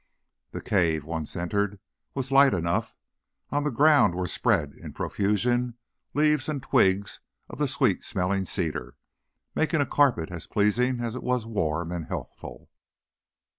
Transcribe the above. The cave, once entered, was light enough. On the ground were spread in profusion leaves and twigs of the sweet smelling cedar, making a carpet as pleasing as it was warm and healthful.